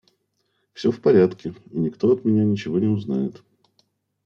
Все в порядке, и никто от меня ничего не узнает».